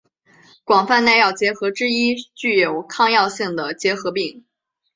广泛耐药结核之一具有抗药性的结核病。